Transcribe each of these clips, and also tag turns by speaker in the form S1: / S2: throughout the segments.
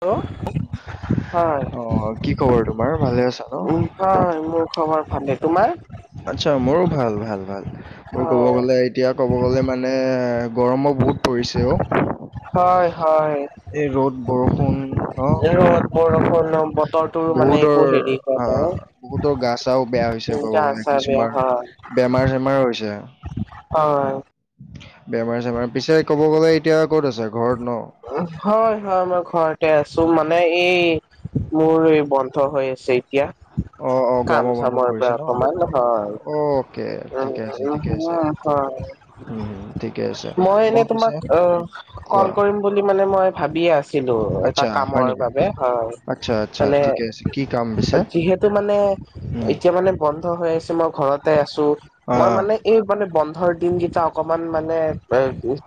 S1: Hello, হয়,
S2: অ কি খবৰ তোমাৰ ভালে আছা
S1: উম
S2: ন
S1: হয় মোৰ খবৰ ভালে। তোমাৰ?
S2: আচ্ছা মোৰো ভাল ভাল ভাল মোৰ ক'ব
S1: হয়।
S2: গ'লে। এতিয়া ক'ব গ'লে মানে গৰমো বহুত পৰিছে অঁ
S1: হয় হয়।
S2: এই ৰ'দ বৰষুণ অঁ
S1: বৰষুনৰ বত
S2: বহুতৰৰ বহুতৰ গা চাও বেয়া হৈছে
S1: উম,
S2: ক'ব
S1: গা
S2: গলে
S1: চা বেয়া
S2: কিছুমান,
S1: হয়,
S2: বেমাৰ চেমাৰ হৈছে।
S1: হয়।
S2: উম, বেমাৰ - চেমাৰ পিছে ক'ব গ'লে এতিয়া ক'ত আছে ঘৰত ন।
S1: অ হয় হয় মই ঘৰতে আছো, মানে এই মোৰ এই বন্ধ হৈ আছে এতিয়া।
S2: অ অ
S1: কাম
S2: গৰমৰ
S1: -
S2: বন্ধ
S1: চামৰ পৰা
S2: পৰিছে ন
S1: অকমান হয়,
S2: অকে ঠিকে আছে
S1: উম
S2: ঠিকে
S1: উম।
S2: আছে উম হুম ঠিকে আছে,
S1: মই এনে
S2: বৰ পিছে?
S1: তোমাক অ'
S2: কোৱা
S1: কল কৰিম বুলি মানে মই ভাবিয়ে আছিলো, এটা
S2: আচ্ছা হয়
S1: কামৰ
S2: নেকি
S1: বাবে হয়।
S2: আচ্ছা, আচ্ছা,
S1: মানে
S2: ঠিকে আছে কি কাম? পিছে?
S1: যিহেতু মানে
S2: উম,
S1: এতিয়া মানে বন্ধ হৈ আছে মই ঘৰত ততে আছোঁ
S2: আ
S1: মই মানে এই মানে বন্ধৰ দিনকেইটা অকমান মানে এ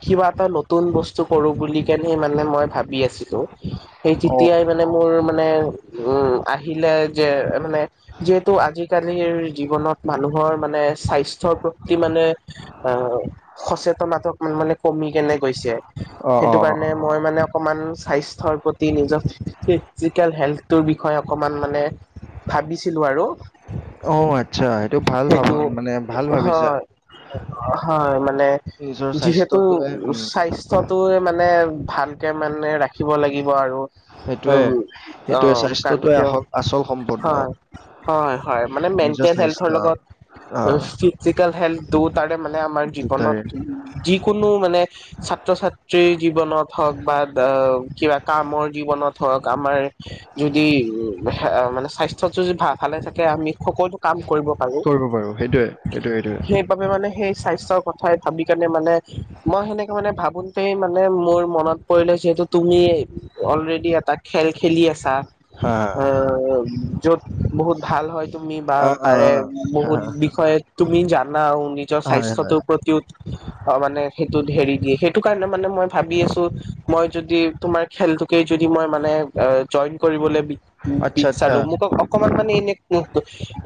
S1: কিবা এটা নতুন বস্তু কৰো বুলি কেণে মানে মই ভাবি আছিলো সেই
S2: অ,
S1: তেতিয়া মানে মোৰ মানে উম আহিলে যে মানে যিহেতু আজিকা লিৰ জীৱনত মানুহৰ মানে স্বাস্থ্যৰ প্ৰতি মানে অঁ সচেতনাতক মানে কমি কেনে গৈছে।
S2: অ, অ, অ,
S1: সেইটো কাৰণে
S2: অ,
S1: মই মানে অকমান স্বাস্থ্যৰ প্ৰতি নিজক ফিজিকেল হেল্থটোৰ বিষয়ে অকমান মানে ভাবিছিলোঁ আৰু
S2: অ আচ্ছা সেইটো ভাল ভা,
S1: সেইটো
S2: মানে ভাল ভাবিছা।
S1: হয় হয়, মানে
S2: নিজৰ
S1: যিহেতু
S2: স্বাস্থ্যটোৱে উম,
S1: স্বাস থটোই মানে ভালকে মানে ৰাখিব লাগিব আৰু উ
S2: সেইটোৱে,
S1: অ
S2: সেইটোৱে
S1: কাত
S2: স্বাস্থ্যটোৱে
S1: কিয়
S2: আস আচল সম্পদ ন?
S1: হয়। হয় হয়, মানে
S2: নিজৰ
S1: মেণ্টেল হেল্থৰ
S2: স্বাস্থ্য
S1: লগত
S2: অ,
S1: ফিজিকেল হেল্থটো তাৰে মানে আমাৰ জীৱনত
S2: দুটাৰে
S1: যিকোনো মানে চা ত্ৰ ছাত্ৰীৰ জীৱনত হওক বা কিবা কামৰ জীৱনত হওক আমাৰ যদি উ মানে স্বাস্থ্যত যদি ভা ভালে থাকে আমি সকলো কাম কৰিব
S2: কৰিব পাৰো, সেইটোয়ে সেইটোয়ে সেইটোয়ে।
S1: কমে মানে সেই স্বাস্থ্যৰ কথাই ভাবি কাৰনে মানে মই সেনেকে মানে ভাব গোটেই মানে মোৰ মনত পৰিলে যিহেতু তুমিয়েই অলৰেডি এটা খেল খেলি আছা।
S2: হা, হা,
S1: আহ য'ত বহুত ভাল হয় তুমি বা
S2: অ, অ, অ,
S1: তাৰে
S2: হা,
S1: বহুত
S2: হা,
S1: বিষয়ে তুমি জানাও নিজৰ
S2: হয়, হয়।
S1: স্বাস্থ্যটোৰ প্ৰতিও অ মানে সেইটো হেৰি দিয়ে সেই টো কাৰণে মানে মই ভাবি আছো মই যদি তোমাৰ খেলটোকে যদি মই মানে আ জইন কৰিবলৈ বি
S2: আচ্ছা, আচ্ছা।
S1: পিকচাৰো মোক অক অকমান মানে এনে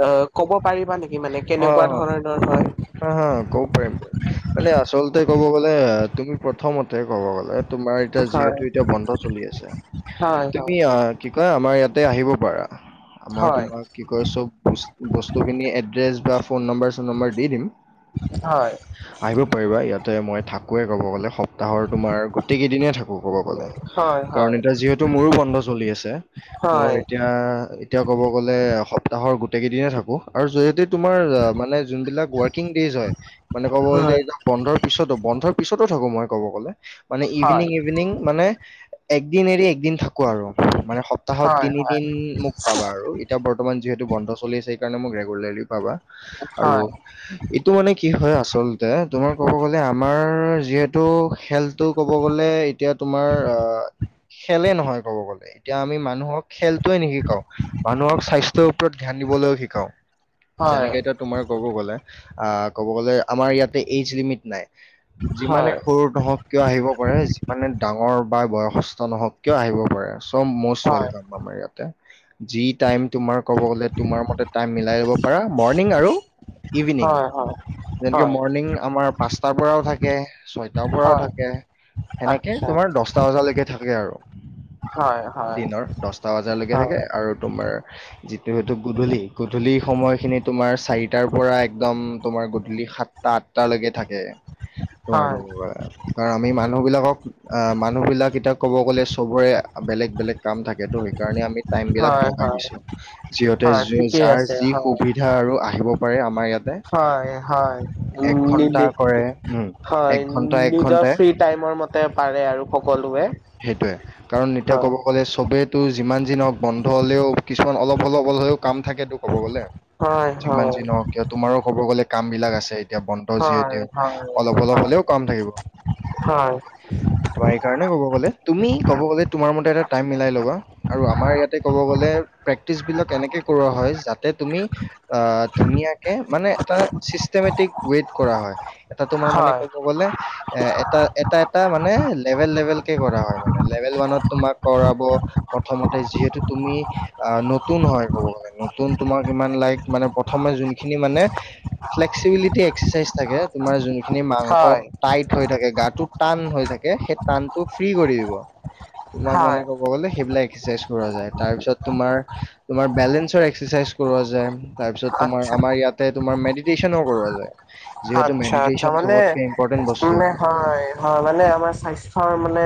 S1: অ ক'ব পাৰিবা নে কি মানে
S2: অ,
S1: কেনেকুৱা ধৰণৰ হয়?
S2: হা হা ক'ব পাৰিবা, মানে আচলতে ক'ব গ'লে তুমি প্ৰথমতে ক'ব গ'লে তোমাৰ এতিয়া
S1: হয়
S2: যিহেতু এতিয়া বন্ধ চলি আছে।
S1: হয়
S2: তুমি আহ কি কয়, আমাৰ ইয়াতে আহিব পাৰা। আমাৰ
S1: হয়
S2: তোমাক কি কয় চব বছ বস্তুখিনি এড্ৰেছ বা ফোন নম্বৰ চোন নম্বৰ দি দিম।
S1: হয়
S2: আহিব পাৰিবা। ইয়াতে মই থাকোৱে ক'ব গলে স তাহৰ তোমাৰ গোটেই কেইদিনেই থাকো ক'ব গ'লে।
S1: হয়
S2: কাৰণ এতিয়া যিহেতু মোৰো বন্ধ চলি আছে ত
S1: হয়
S2: এতিয়া এ এতিয়া ক'ব গ'লে সপ্তাহৰ গোটেই কেইদিনে থাকো আৰু যদি যদি তোমাৰ মানে যোনবিলাক ৱৰ্কিং ডেজ হয় মানে ক'ব গ'লে
S1: হয়
S2: এইটো বন্ধৰ পিছতো বন্ধৰ পিছতো থাকো মই ক'ব গ'লে মানে
S1: হয়
S2: ইভিনিং- ইভিনিং মানে একদিন এৰি একদিন থাকো আৰু মানে সপ্তাহত
S1: হয়
S2: তিনিদিন মোক পাবা আৰু। এয়া বৰ্তমান যিহেতু বন্ধ চলি আছে সেইকাৰণে মোক ৰেগুলাৰলি পাবা
S1: হয়
S2: আৰু
S1: হয় হয়
S2: এইটো মানে কি হয় আচলতে তোমাৰ ক'ব গ'লে আমাৰ যিহেতু খেলটো ক'ব গ'লে এতিয়া তোমাৰ অ খেলে নহয় ক'ব গ'লে এতিয়া আমি মানুহক খেলটোৱে নিশিকাওক, মানুহক স্বাস্থ্যৰ ওপৰত ধ্যান দিবলৈও শিকাওক।
S1: হয়
S2: জেনেকা এতিয়া তোমাৰ ক'ব গ'লে আ ক'ব গ'লে আমাৰ ইয়াতে এইজ লিমিট নাই।
S1: হয়
S2: যিমানে
S1: হয়
S2: সৰু নহক কিয় আহিব পাৰে, যিমানে ডাঙৰ বা বয়সস্থ নহওক কিয় আহিব পাৰে। একদম মষ্ট
S1: হয়
S2: ৱেলকাম আমাৰ ইয়াতে, যি টাইম তোমাৰ ক'ব গ'লে তোমাৰ মতে টাইম মিলাই লব পাৰা মৰ্ণিং আৰু ইভিনিং
S1: হয় হয়
S2: যেনেকে
S1: হয়
S2: মৰ্ণিং আমাৰ পাঁচটাৰ পৰাও থাকে। ছয়টাৰ পৰাও
S1: হয়
S2: থাকে সেনেকে
S1: আচ্ছা
S2: তোমাৰ দছটা বজালেকে থাকে আৰু।
S1: হয় হয়।
S2: দিনৰ দচটা বজালৈকে
S1: হয়
S2: থাকে আৰু তোমাৰ যিটো সেইটো গধূলি - গধূলি সময়ত খিনি তোমাৰ চাৰিটাৰ পৰা একদম তোমাৰ গধূলি সাতটা - আঠটা লৈকে থাকে। ক আৰু
S1: হয়
S2: তোমাৰ কাৰণ আমি মানুহবিলাকক আহ মানুহবিলাক এতিয়া ক'ব গ'লে সবৰে বেলেগ - বেলেগ কাম থাকে ত সেইকাৰণে আমি টাইমবিলাক
S1: হয়
S2: ভগাই
S1: হয়
S2: দিছো, যিহঁতে
S1: হয়
S2: যুৰ
S1: ঠিকেই
S2: যাৰ
S1: আছে
S2: সুখ
S1: হয়
S2: আ আৰু আহিব পাৰে আমাৰ ইয়াত।
S1: হয় হয়, উম
S2: ঘন্টা
S1: নিবি নিবি
S2: কৰে উম
S1: হয়,
S2: এক ঘন্টা এক
S1: নিজৰ
S2: ঘন্টাই
S1: ফ্ৰী টাইমৰ মত তে পাৰে আৰু সকলোৱে।
S2: সেইটোয়ে কাৰণ এতিয়া
S1: হয়
S2: ক'ব ক'লে চবেতো যিমান দিনক বন্ধ হ'লেও কিছুমান অলপ হলপ অল হলেও কাম থাকেটো ক'ব গ'লে।
S1: হয়
S2: যিমান যি
S1: হয়
S2: নহওক কিয় তোমাৰো ক'ব গ'লে কামবিলাক আছে। এতিয়া বন্তৰ
S1: হয়
S2: যিহেতু
S1: হয়
S2: অলপ - অলপ হলেও কাম থাকিব।
S1: হয়
S2: ত সেই কাৰণে ক'ব গ'লে, তুমি ক'ব গ'লে তোমাৰ মতে এটা টাইম মিলাই ল'বা। আৰু আমাৰ ইয়াতে ক'ব গলে প্ৰেক্টিচবিলাক এনেকে কৰোৱা হয় যাতে তুমি অ ধুনীয়াকে মানে এটা চিষ্টেমেটিক ৱেইট কৰা হয়। এটা তোমাৰ মানে
S1: হয়
S2: ক'ব গ'লে এ এটা এটা এটা মানে লেভেল - লেভেল কে কৰা হয় মানে লেভেল ওৱানত তোমাক কৰাব প্ৰথমতে যিহেতু তুমি অ নতুন হয় ক'ব গলে, নতুন তোমাক ইমান লাইক মানে প্ৰথমে যোনখিনি মানে ফ্লেক্সিবিলিটি এষ্কেচাইজ থাকে তোমাৰ যোন খিনি মাংস
S1: হয়
S2: টাইট হৈ থাকে, গাটো টান হৈ থাকে সেই টান চব ফ্ৰি কৰি দিব তোমাক মানে
S1: হয়
S2: কব গলে সেইবিলাক এক্সাইজ কৰা যায় তাৰ পিছত তোমাৰ, তোমাৰ বেলেঞ্চৰ এক্সাৰচাইজ কৰা যায়। তাৰপিছত তোমাৰ
S1: আচ্ছা
S2: আমাৰ ইয়াতে তোমাৰ মেডিটেশ্যনো কৰোৱা যায়। যিহেতু
S1: আচ্ছা আচ্ছা
S2: মেডিটেশ্যন
S1: মানে
S2: চবতকে ইম্পৰ্টেণ্ট বস্তু
S1: মানে হয়। হয় মানে আমাৰ স্বাস্থ্যৰ মানে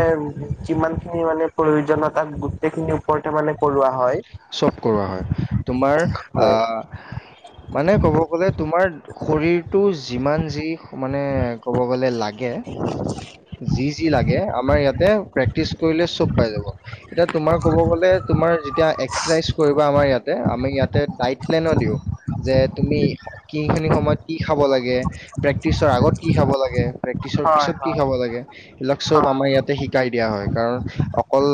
S1: যিমানখিনি মানে প্ৰয়োজনীয়তাত গো গোটেইখিনি ওপৰতে মানে কৰোৱা হয়।
S2: চব কৰোৱা হয়, তোমাৰ
S1: হয়।
S2: আহ মানে ক'ব গলে তোমাৰ শৰীৰটো যিমান যি মানে ক'ব গ'লে লাগে যি যি লাগে আমাৰ ইয়াতে প্ৰেক্টিচ কৰিলে চব পাই যাব। এতিয়া তোমাৰ ক'ব গ'লে তোমাৰ যেতিয়া এক চচাইজ কৰিব আমাৰ ইয়াতে, আমি ইয়াতে ডাইট প্লেনো দিওঁ। যে তুমি কি খিনি সময়ত কি খাব লাগে? প্ৰেক্টিচৰ আগত কি খাব লাগে? প্ৰেক্টিচৰ
S1: হয়
S2: পিছত কি
S1: হয়
S2: খাব লাগে এইবিলাক চব
S1: হয়
S2: আমাৰ ইয়াতে শিকাই দিয়া হয় কাৰণ অকল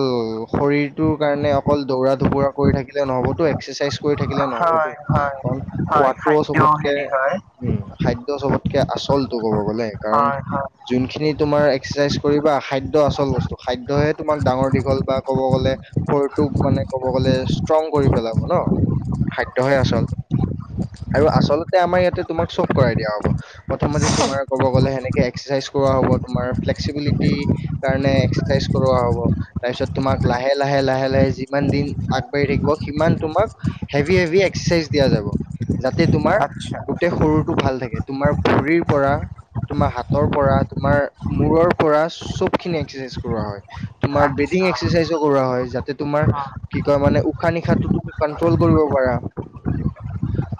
S2: শৰীৰটোৰ কাৰণে অকল দৌৰা ধুবৰা কৰি থাকিলে নহবতো, এক্সাৰচাইজ কৰি থাকিলে নহবতো
S1: হয় হয়
S2: কাৰণ
S1: হয়
S2: সোৱাদটো
S1: খাদ্য
S2: চবতকে
S1: হেৰি হয়
S2: উম খাদ্য চবতকে আচলটো ক'ব গ'লে কাৰণ
S1: হয় হয়
S2: যোনখিনিত তোমাৰ এক্সাৰচাইজ কৰি বা খাদ্য আচল বস্তু, খাদ্যহে তোমাক ডাঙৰ দীঘল বা ক'ব গ'লে শৰীৰটোক মানে ক'ব গ'লে ষ্ট্ৰং কৰি পেলাব ন, খাদ্যহে আচল। আৰু আচলতে আমাৰ ইয়াতে তোমাক চব কৰাই দিয়া হ'ব। প্ৰথমতে তোমাৰ ক'ব গ'লে সেনেকে এক্সাইজ কৰোৱা হব, তোমাৰ ফ্লেক্সিবিলিটি কাৰণে এক্সাৰচাইজ কৰোৱা হ'ব, তাৰপিছত তোমাক লাহে লাহে লাহে লাহে যিমান দিন আগবাঢ়ি থাকিব, সিমান তোমাক হেভি হেভি এক্সাৰচাইজ দিয়া যাব। যাতে তোমাৰ,
S1: আচ্ছা
S2: গোটেই শৰীৰটো ভাল থাকে তোমাৰ ভৰিৰ পৰা তোমাৰ হাতৰ পৰা তোমাৰ মূৰৰ পৰা চব খিনি এক্সাৰচাইজ কৰোৱা হয়। তোমাৰ
S1: আচ্ছা
S2: ব্ৰিডিং
S1: হয়
S2: এক্সাৰচাইজো কৰা হয়, যাতে তোমাৰ কি কয় মানে উশাহ নিশাহটো তুমি কন্ট্ৰল কৰিব পাৰা।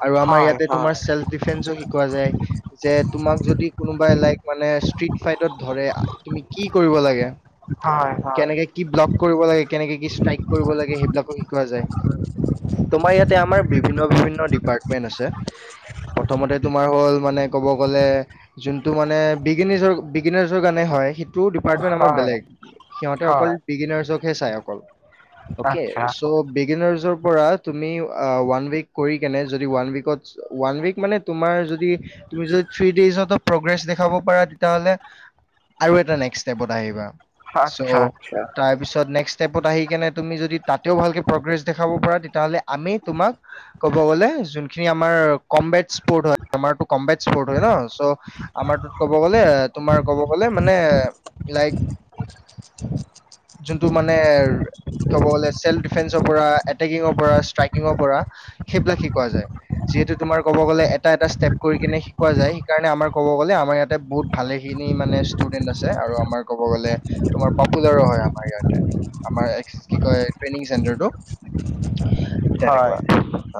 S2: আৰু আমাৰ
S1: হয়
S2: ইয়াতে তোমাৰ চেল্ফ ডিফেন্সো শিকোৱা যায়। যে তোমাক যদি কোনোবাই লাইক মানে ষ্ট্ৰিট ফাইদত ধৰে। তুমি কি কৰিব লাগে,
S1: হয় হয়
S2: কেনেকে কি ব্লক কৰিব লাগে কেনেকে কি ষ্ট্ৰাইক কৰিব লাগে। সেইবিলাকো শিকোৱা যায়, তোমাৰ ইয়াতে আমাৰ বিভিন্ন বিভিন্ন ডিপাৰ্টমেন্ট আছে। প্ৰথমতে তোমাৰ হ'ল মানে ক'ব গ'লে যোনটো মানে বিগনিজৰ-বিগিনাৰছৰ কাৰণে হয়। টো ডিপাৰ্টমেণ্ট আমাৰ
S1: হয়
S2: বেলেগ, সিহঁতে অকল
S1: হয়
S2: বিগিনাৰচকহে চাই অকল। অ'কে
S1: আচ্ছা
S2: চ' বিগিনাৰ্ছৰ পৰা তুমি ওৱান উইক কৰি কেনে যদি ওৱান উইকত ওৱান উইক মানে তোমাৰ যদি তুমি যদি থ্ৰী ডেইজতো প্ৰগ্ৰেছ দেখাব পাৰা তেতিয়াহ'লে আৰু এটা নেক্স ষ্টেপত আহিবা,
S1: আচ্ছা আচ্ছা
S2: চ' তাৰপিছত নেক্স ষ্টেপত আহি কিনে তুমি যদি তাতেও ভালকৈ প্ৰগ্ৰেছ দেখাব পাৰা তেতিয়াহ'লে আমি তোমাক ক'ব গ'লে যোনখিনি আমাৰ, কম্বেট স্পৰ্ট হয় আমাৰ কম্বেট স্পৰ্ট হয় ন' চ' আমাৰটোত ক'ব গ'লে তোমাৰ কব গ'লে মানে, লাইক যোনটো মানে ক'ব গলে চেল্ফ ডিফেন্সৰ পৰা এটেকিঙৰ পৰা ষ্ট্ৰাইকিঙৰ পৰা সেইবিলাক শিকোৱা যায়। যিহেতু তোমাৰ ক'ব গ'লে এটা এটা ষ্টেপ কৰি কিনে শিকোৱা যায় সেইকাৰণে আমাৰ ক'ব গ'লে আমাৰ ইয়াতে বহুত ভালে খিনি মানে ষ্টুডেন্ট আছে আৰু আমাৰ ক'ব গ'লে, তোমাৰ পপুলাৰো হয় আমাৰ ইয়াতে। আমাৰ এক্স কি কয় ট্ৰেইনিং চেণ্টাৰটো,
S1: হয়
S2: তেনেকুৱা,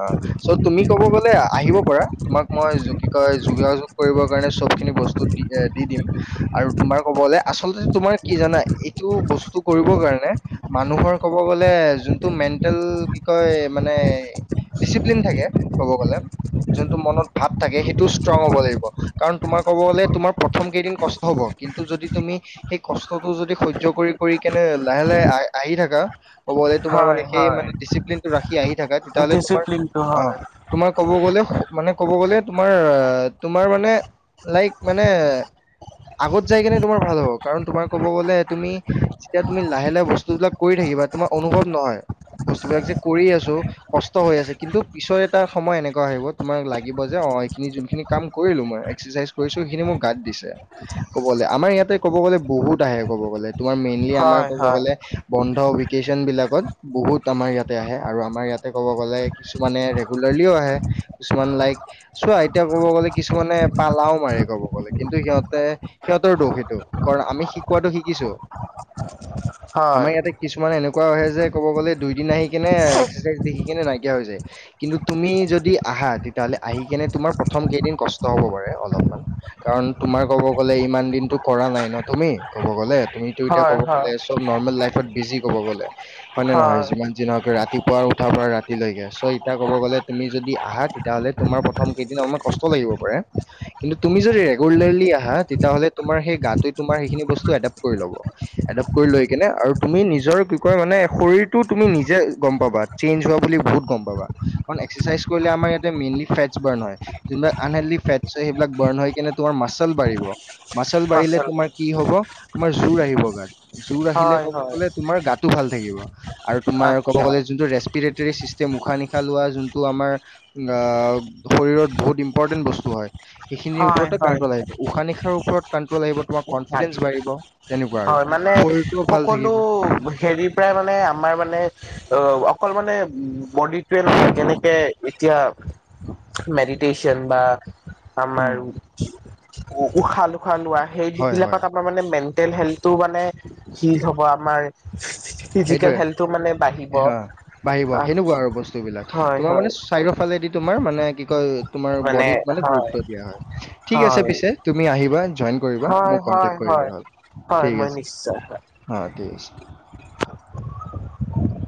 S2: অ, চ তুমি ক'ব গ'লে আহিব পাৰা, তোমাক মই কি কয় যোগাযোগ কৰিবৰ কাৰণে চব খিনি বস্তু দি দি দিম। আৰু তোমাৰ ক'বলে আচলতে তোমাৰ কি জানা এইটো বস্তু কৰিবৰ কাৰণে, মানুহৰ ক'ব গ'লে যোনটো মেণ্টেল, কি কয় মানে ডিচিপ্লিন থাকে ক'ব গ'লে, যোনটো মনত ভাব থাকে সেইটো ষ্ট্ৰং হব লাগিব। কাৰণ তোমাৰ ক'ব গ'লে তোমাৰ প্ৰথম কেইদিন কষ্ট হব, কিন্তু যদি তুমি সেই কষ্টটো যদি সহ্য কৰি কৰি কেনে লাহে লাহে আহ আহি থাকা। ক'বলে তোমাৰ
S1: হয়
S2: মানে সেই
S1: হয়
S2: মানে ডিচিপ্লিনটো ৰাখি আহি থাকা তেতিয়াহ'লে তোমাৰ
S1: ডিচিপ্লিনটো
S2: অ,
S1: হয়
S2: তোমাৰ ক'ব গ'লে, মানে ক'ব গ'লে তোমাৰ, তোমাৰ মানে লাইক মানে, আগত যাই কিনে তোমাৰ ভাল হ'ব কাৰণ তোমাৰ ক'ব গ'লে তুমি যেতিয়া তুমি লাহে লাহে বস্তুবিলাক কৰি থাকিবা তোমাৰ অনুভৱ নহয়, বস্তুবিলাক যে কৰি আছোঁ। কষ্ট হৈ আছে কিন্তু পিছৰ এটা সময় এনেকুৱা আহিব তোমাক লাগিব যে অ, এইখিনি যোনখিনি কাম কৰিলোঁ মই এক্সাৰচাইজ কৰিছোঁ সেইখিনি মোক গাত দিছে। ক'বলে আমাৰ ইয়াতে ক'ব গ'লে বহুত আহে ক'ব গ'লে তোমাৰ মেইনলি আমাৰ
S1: হয়
S2: ক'ব
S1: হয়
S2: গ'লে বন্ধ উইক টিউচন বিলাকত, বহুত আমাৰ ইয়াতে আহে আৰু আমাৰ ইয়াতে ক'ব গ'লে কিছুমানে ৰেগুলাৰলিও আহে, কিছুমান লাইক চোৱা এতিয়া ক'ব গ'লে কিছুমানে পালাও মাৰে ক'ব গ'লে কিন্তু সিহঁতে সিহঁতৰ দোষ সেইটো, কাৰণ আমি শিকোৱাটো শিকিছোঁ, আমাৰ
S1: হয়
S2: ইয়াতে কিছু কিছুমান এনেকুৱা হয় যে ক'ব গ'লে দুই দিন আহি কেনে এক্সাৰচাইজ দেখি কেনে নাইকিয়া হৈ যায়। কিন্তু তুমি যদি আহা তেতিয়াহ'লে আহি কেনে তোমাৰ প্ৰথম কেইদিন কষ্ট হ'ব পাৰে অলপমান। কাৰণ তোমাৰ ক'ব গ'লে ইমান দিনটো কৰা নাই ন' তুমি ক'ব গ'লে তুমি এইটো এতিয়া
S1: হয়
S2: ক'ব গ'লে
S1: হয়
S2: চব নৰ্মেল লাইফত বিজি কব গ'লে, মানে নহয়
S1: হয়
S2: যিমান [unintelligible] ৰাতিপুৱা আৰু উঠাৰ পৰা ৰাতিলৈকে চ' এতিয়া ক'ব গ'লে তুমি যদি আহা তেতিয়াহ'লে তোমাৰ প্ৰথম কেইদিন অকমান ক ষ্ট লাগিব পাৰে। কিন্তু তুমি যদি ৰেগোলাৰ লি আহা তেতিয়াহলে তোমাৰ সেই গাটোৱে তোমাৰ সেইখিনি বস্তু এদপ্ত কৰি লব এডপ্ট কৰি লৈ কিনে আৰু তুমি নিজ নিজৰ কি কয় মানে শৰীৰটো তুমি নিজে গম পাবা চেঞ্জ হোৱা বুলি বহুত গম পাবা কাৰণ এক্সাৰচাইজ কৰিলে আমাৰ ইয়াতে মেইনলি ফেটচ বাৰ্ণ হয় যোনবিলাক আনহেলডী ফেটচ হয় সেইবিলাক বাৰ্ন হয় কিনে তোমাৰ মাছালচ বাঢ়িব মাচল বাঢ়িলে
S1: আচলতে
S2: তোমাৰ কি হব তোমাৰ জোৰ আহিব গাত জোৰ আহিলে
S1: হয়
S2: ক'ব
S1: হয়
S2: গ'লে তোমাৰ গাতো ভাল থাকিব আৰু তুমাৰ ক'ব
S1: আচ্ছা
S2: গলে যোনটো ৰেছপিৰেটৰি চিষ্ টেম উশাহ নিশাহ লোৱা যোনটো আমাৰ আ শৰীৰত বহুত ইম্পৰ্টেন্ট বস্তু হয় সেইখিনিৰ
S1: হয়
S2: ওপৰতে
S1: হয়
S2: কণ্ট্ৰল আহিব উশাহ নিশাৰ ওপৰত কানণ্ট্ৰল আহিব তোমাৰ কনফিডেঞ্চ বাঢ়িব তেনেকুৱা আৰু
S1: হয় মানে
S2: শৰীৰটো ভাল
S1: সকলো
S2: থাকিব
S1: হেৰি প্ৰায় মানে আমাৰ মানে অ অকল মানে উম বডিটোৱে নহয় যেনেকে এতিয়া মেডিটেশ্যন বা
S2: উম,
S1: আমাৰ উ উশাহ লুখাহ লোৱা সেই দিশ
S2: হয় হয়
S1: বিলাকত মানে মেণ্টেল হেল্থটো মানে কি হ'ব আমাৰ ফিজিকেল
S2: সেইটোৱে
S1: হেল্থটো মানে বাঢ়িব
S2: হা বাঢ়িব
S1: আচ্ছা হয় হয়
S2: চাৰিওফালেদি তোমাৰ মানে কি কয় তোমাৰ বডিত মানে গুৰুত্ব দিয়া হয় ঠিক আছে
S1: হয়
S2: পিছে তুমি আহিবা জইন কৰিবা
S1: হয়
S2: মোক
S1: হয়
S2: কন্টেক
S1: হয়
S2: কৰিলে হ'ল
S1: হয় মই নিশ্চয় হয়
S2: হয় ঠিক আছে